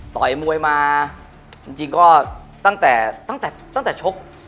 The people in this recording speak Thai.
ต่อยมวยมาจริงก็ตั้งแต่ชก